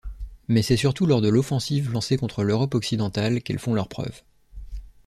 Mais c'est surtout lors de l'offensive lancée contre l'Europe occidentale qu'elles font leurs preuves.